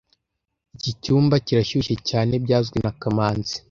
Iki cyumba kirashyushye cyane byavuzwe na kamanzi